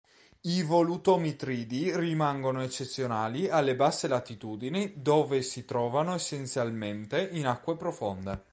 I volutomitridi rimangono eccezionali alle basse latitudini dove si trovano essenzialmente in acque profonde.